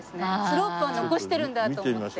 スロープは残してるんだと思って。